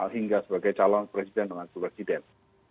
hingga sebagai calon presiden dengan presiden